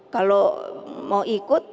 kalau mau ikut